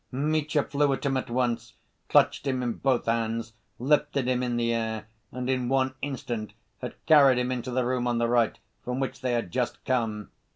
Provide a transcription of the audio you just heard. Mitya flew at him at once, clutched him in both hands, lifted him in the air, and in one instant had carried him into the room on the right, from which they had just come.